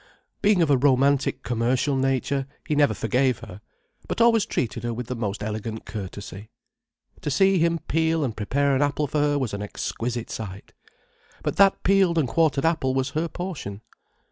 Being of a romantic commercial nature, he never forgave her, but always treated her with the most elegant courtesy. To seehim peel and prepare an apple for her was an exquisite sight. But that peeled and quartered apple was her portion.